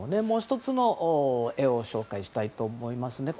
もう１つの絵を紹介したいと思います。